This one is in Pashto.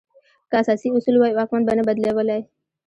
که اساسي اصول وای، واکمن به نه بدلولای.